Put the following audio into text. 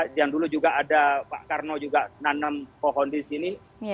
dan juga ada pak karno nanam pohon di sini